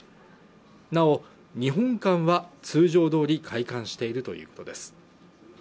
なお日本館は通常どおり開館しているということです